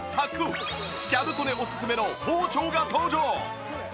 ギャル曽根おすすめの包丁が登場！